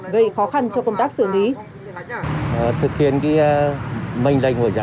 gây khó khăn cho công tác xử lý